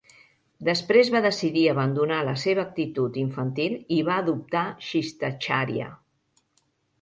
Després va decidir abandonar la seva actitud infantil i va adoptar shistacharya.